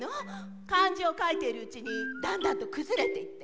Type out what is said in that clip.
漢字を書いているうちにだんだんと崩れていって。